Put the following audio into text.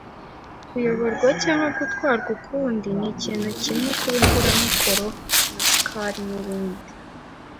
kuyoborwa cyangwa gutwarwa ukundi. Ni ikintu kimwe kuba imburamukoro na skulk nibindi